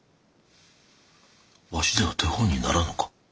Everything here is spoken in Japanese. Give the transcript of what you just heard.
わしでは手本にならぬか？